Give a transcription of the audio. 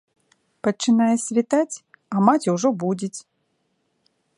Пачынае світаць, а маці ўжо будзіць.